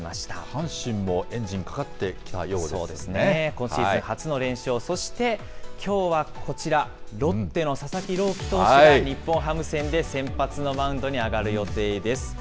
阪神もエンジン、そうですね、今シーズン初の連勝、そしてきょうはこちら、ロッテの佐々木朗希投手が、日本ハム戦で先発のマウンドに上がる予定です。